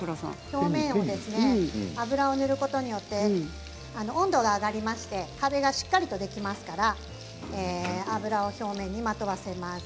表面に油を塗ることで温度が上がりまして壁がしっかりできますから油を表面にまとわせます。